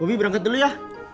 bobby berangkat dulu ya